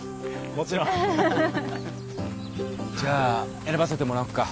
もちろん！じゃあ選ばせてもらおっか。